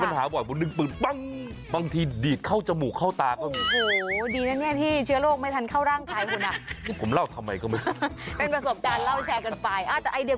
ป๊อบสายผมขาดบ่อยผมเป็นคนหน้าใหญ่